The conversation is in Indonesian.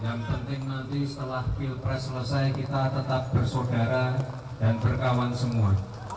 yang penting nanti setelah pilpres selesai kita tetap bersaudara dan berkawan semua